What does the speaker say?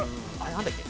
何だっけ？